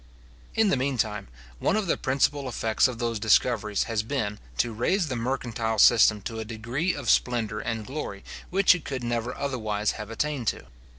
In the mean time, one of the principal effects of those discoveries has been, to raise the mercantile system to a degree of splendour and glory which it could never otherwise have attained to.